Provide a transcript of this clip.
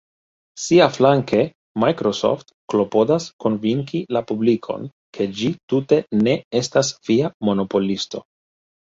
Siaflanke Microsoft klopodas konvinki la publikon, ke ĝi tute ne estas fia monopolisto.